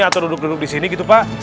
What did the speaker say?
atau duduk duduk disini gitu pak